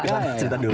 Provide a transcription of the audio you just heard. cerita dulu pak